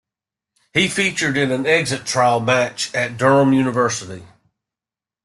He featured in an exit trial match at Durham University.